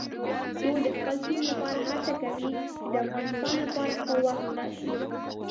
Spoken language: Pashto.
دوی د خپل ټیم لپاره هڅې کوي چې د افغانستان لپاره ښه وخت راشي.